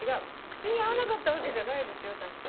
口に合わなかったわけじゃないですよ滝藤さん。